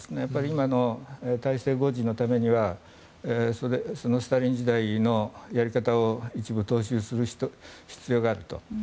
今の体制保持のためにはそのスターリン時代のやり方を一部踏襲する必要があると。